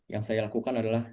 yang saya lakukan adalah